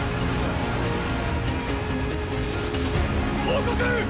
報告！！